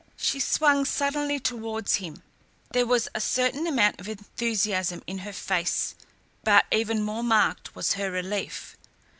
She swung suddenly towards him. There was a certain amount of enthusiasm in her face but even more marked was her relief.